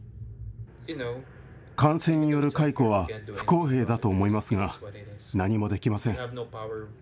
感染による解雇は不公平だと思いますが、何もできません。